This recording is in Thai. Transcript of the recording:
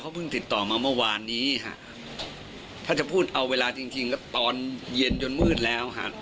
เพิ่งติดต่อมาเมื่อวานนี้ค่ะถ้าจะพูดเอาเวลาจริงจริงก็ตอนเย็นจนมืดแล้วฮะ